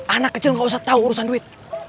anak kecil gak usah tahu urusan duit